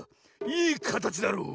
いいかたちだろう。